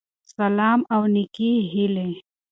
سلام او نيکي هیلی